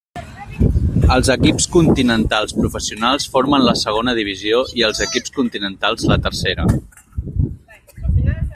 Els equips continentals professionals formen la segona divisió i els equips continentals la tercera.